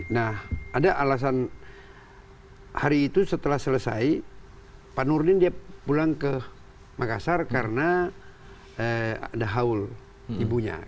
nah ada alasan hari itu setelah selesai pak nurdin dia pulang ke makassar karena ada haul ibunya